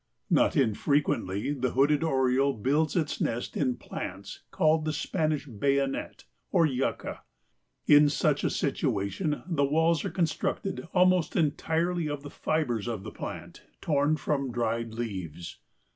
Not infrequently the Hooded Oriole builds its nest in plants called the Spanish bayonet or yucca. In such a situation the walls are constructed almost entirely of the fibers of the plant torn from dried leaves.